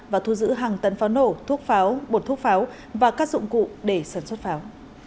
và thu giữ hàng tấn pháo nổ thuốc pháo bột thuốc pháo và các dụng cụ để sản xuất pháo